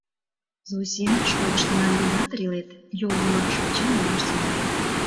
— Зосим, школыштына ынде ятыр илет, — йол йымакше ончен, ойлаш тӱҥале.